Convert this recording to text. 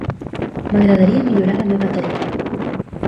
M'agradaria millorar la meva tarifa.